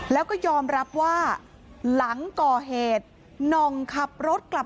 ปี๖๕วันเกิดปี๖๔ไปร่วมงานเช่นเดียวกัน